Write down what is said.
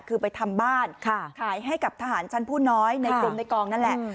คือไปทำบ้านขายให้กับทหารชั้นผู้น้อยในกลุ่มในกองนั่นแหละ